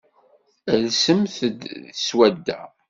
Alsem-d seg swadda.